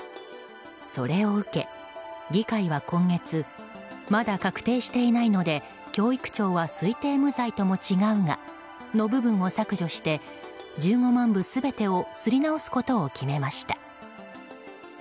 それを受け、議会は今月まだ確定していないので教育長は推定無罪とも違うがの部分を１５万部全てを刷り直すことを決めました。